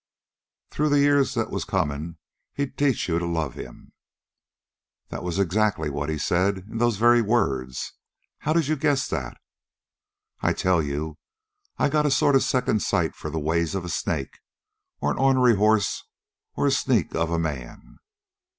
"Through the years that was comin', he'd teach you to love him." "That was exactly what he said in those very words! How did you guess that?" "I'll tell you I got a sort of a second sight for the ways of a snake, or an ornery hoss, or a sneak of a man.